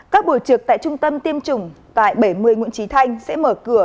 các buổi trực tại trung tâm tiêm chủng tại bảy mươi nguyễn trí thanh sẽ mở cửa